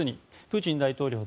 プーチン大統領